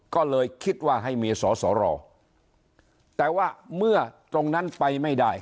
ก็เลยคิดว่าให้มีสอสอรอแต่ว่าเมื่อตรงนั้นไปไม่ได้